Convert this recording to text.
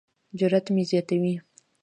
جرات مې زیاتوي.